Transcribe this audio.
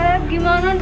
duh gue ngejual banget